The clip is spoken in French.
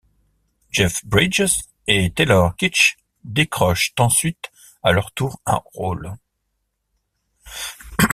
Jeff Bridges et Taylor Kitsch décrochent ensuite à leur tour un rôle.